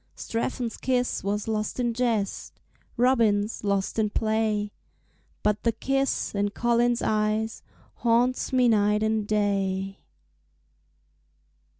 Strephon's kiss was lost in jest, Robin's lost in play, But the kiss in Colin's eyes Haunts me night and day.